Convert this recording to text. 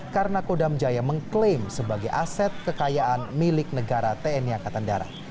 karena kodam jaya mengklaim sebagai aset kekayaan milik negara tni angkatan darat